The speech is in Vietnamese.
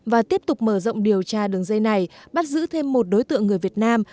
và tiếp tục mở rộng điều tra đường dây này bắt giữ thêm một đối tượng người việt nam